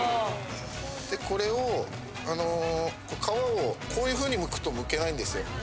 でこれをあの皮をこういうふうにむくとむけないんですよ。